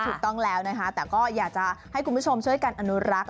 ถูกต้องแล้วนะคะแต่ก็อยากจะให้คุณผู้ชมช่วยกันอนุรักษ์